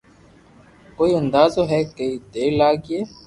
ڪوئي اندازو ھي ڪيتي دير لاگئي